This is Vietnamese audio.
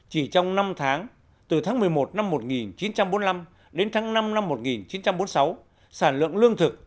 chỉ trong năm tháng từ tháng một mươi một năm một nghìn chín trăm bốn mươi năm đến tháng năm năm một nghìn chín trăm bốn mươi sáu sản lượng lương thực